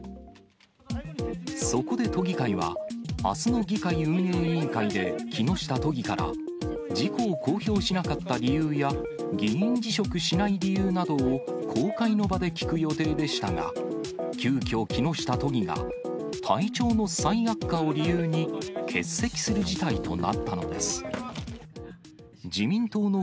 そこで都議会は、あすの議会運営委員会で、木下都議から、事故を公表しなかった理由や、議員辞職しない理由などを公開の場で聞く予定でしたが、急きょ、木下都議が体調の再悪化を理由に、欠席する事態となったのです。